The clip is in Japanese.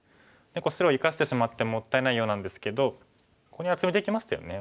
白生かしてしまってもったいないようなんですけどここに厚みできましたよね。